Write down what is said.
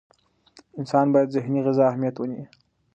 انسان باید د ذهني غذا اهمیت ومني.